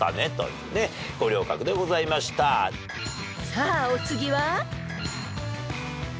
［さあお次は］